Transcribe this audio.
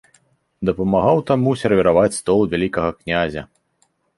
Дапамагаў таму сервіраваць стол вялікага князя.